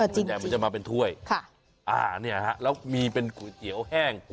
ดูแลเนี่ยค่ะแล้วมีเป็นก๋วยเตี๋ยวแห้ง